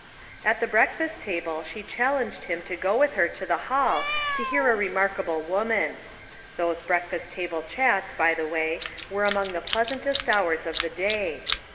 At the breakfast table she challenged him to go with her to the hall to hear a remarkable womam Those breakfast table chats by the way, were among the pleasaritest hours of the day.